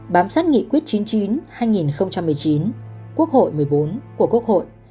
bám sát nghị quyết chín mươi chín hai nghìn một mươi chín quốc hội một mươi bốn của quốc hội